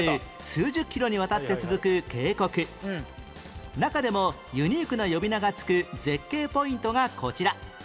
三好市にある中でもユニークな呼び名が付く絶景ポイントがこちら